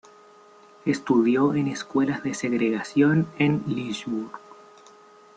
Estudió en escuelas de segregación en Lynchburg.